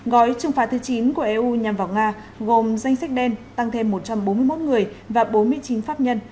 gói trừng phạt thứ chín của eu nhằm vào nga gồm danh sách đen tăng thêm một trăm bốn mươi một người và bốn mươi chín pháp nhân